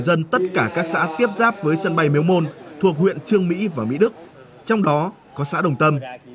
sân bay miếu môn thuộc huyện trương mỹ và mỹ đức trong đó có xã đồng tâm